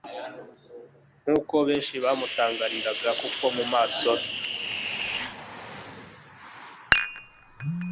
Nkuko benshi bamutangariraga kuko mu maso he